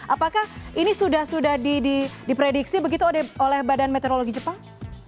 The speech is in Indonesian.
apakah ini sudah sudah diprediksi begitu oleh badan meteorologi jepang